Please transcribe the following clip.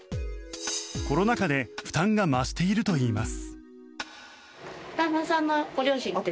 コロナ禍で負担が増しているといいます。